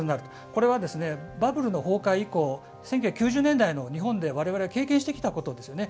これは、バブルの崩壊以降１９９０年代の日本でわれわれが経験してきたことですよね。